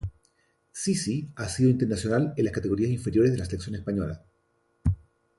Sisi ha sido internacional en las categorías inferiores de la Selección Española.